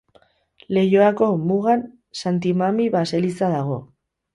Leioako mugan Santi Mami baseliza dago.